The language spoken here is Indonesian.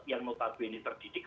yang notabene terdidik